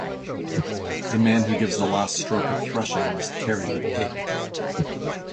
The man who gives the last stroke at threshing must carry the pig.